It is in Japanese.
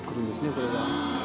これが。